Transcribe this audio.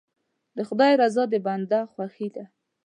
د خدای رضا د بنده خوښي ده.